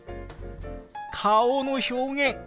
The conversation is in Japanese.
顔の表現！